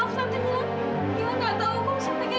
masih nanya lagi fadil